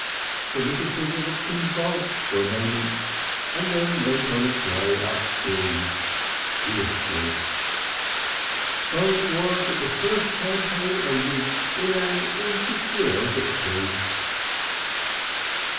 The little figure was convulsed for a moment and then went on its way upstream fiercely. So it was the first campaign ended in an insecure victory.